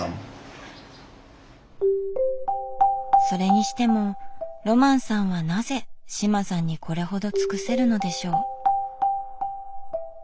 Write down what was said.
それにしてもロマンさんはなぜ志麻さんにこれほど尽くせるのでしょう？